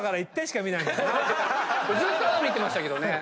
ずーっと穴見てましたけどね。